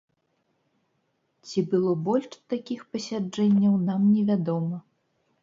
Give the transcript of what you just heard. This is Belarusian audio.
Ці было больш такіх пасяджэнняў, нам не вядома.